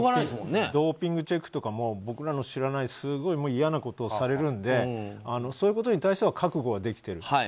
ドーピングチェックとかも僕らの知らないすごい嫌なことをされるのでそういうことに対しては覚悟はできてる。